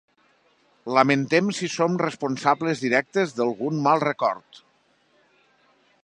Lamentem si som responsables directes d'algun mal record.